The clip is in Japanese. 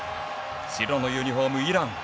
白のユニフォーム、イラン。